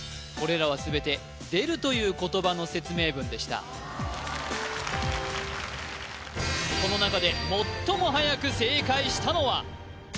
これらは全て「でる」という言葉の説明文でしたこの中で最もはやく正解したのは？